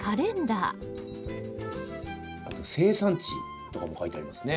あと生産地とかも書いてありますね。